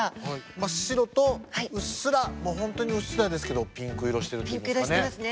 真っ白とうっすらもう本当にうっすらですけどピンク色してるといいますかね。